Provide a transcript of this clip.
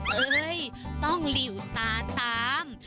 เฮ้ยต้องหลิวตาตาม